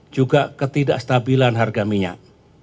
juga ketidakstabilan harga minyak